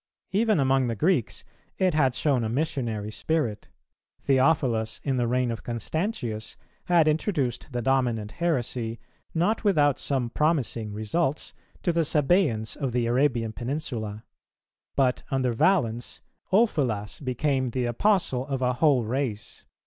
Even among the Greeks it had shown a missionary spirit. Theophilus in the reign of Constantius had introduced the dominant heresy, not without some promising results, to the Sabeans of the Arabian peninsula; but under Valens, Ulphilas became the apostle of a whole race.